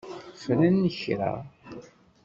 Fren kra.